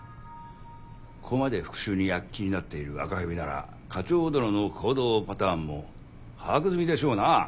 ここまで復讐に躍起になっている赤蛇なら課長殿の行動パターンも把握済みでしょうな。